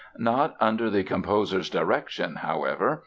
Not under the composer's direction, however.